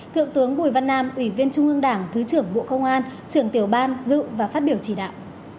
thượng tướng bùi văn nam ủy viên trung ương đảng thứ trưởng bộ công an trưởng tiểu ban dự và phát biểu chỉ đạo